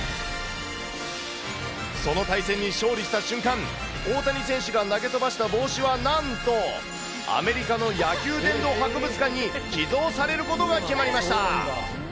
その対戦に勝利した瞬間、大谷選手が投げ飛ばした帽子は、なんと、アメリカの野球殿堂博物館に寄贈されることが決まりました。